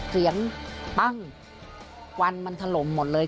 เสียงปั้งควันมันถล่มหมดเลย